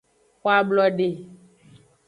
Xo ablode.